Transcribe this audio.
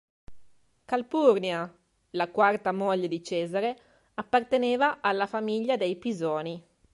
Calpurnia, la quarta moglie di Cesare, apparteneva alla famiglia dei Pisoni.